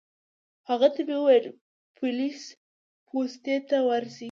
هغه ته مې وویل پولیس پوستې ته ورشه.